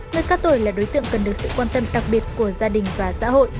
người cao tuổi là đối tượng cần được sự quan tâm đặc biệt của gia đình và xã hội